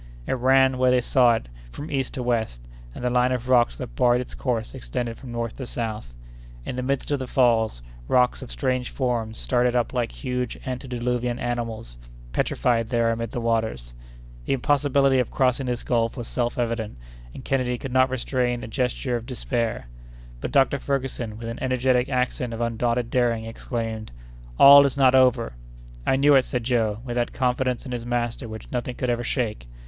It ran, where they saw it, from east to west, and the line of rocks that barred its course extended from north to south. In the midst of the falls, rocks of strange forms started up like huge ante diluvian animals, petrified there amid the waters. The impossibility of crossing this gulf was self evident, and Kennedy could not restrain a gesture of despair. But Dr. Ferguson, with an energetic accent of undaunted daring, exclaimed— "All is not over!" "I knew it," said Joe, with that confidence in his master which nothing could ever shake.